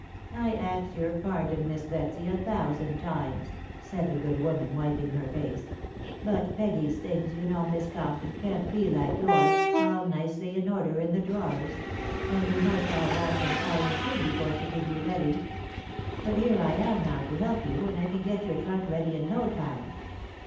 I ax your pardon, Mis Betsy, a thousand times !" said ™e good woman, wiping her face ; u but Peggy's things, you now> Miss Compton, can't be like yours, all nicely in order the drawers ; and we must all wash and iron too before she be ready. But here I am now to help you, and I can get your trunk reaiy in no time."